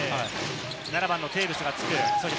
７番のテーブスがつく。